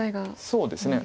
そうですね。